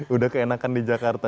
udah keenakan di jakarta